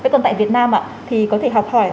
còn tại việt nam thì có thể học hỏi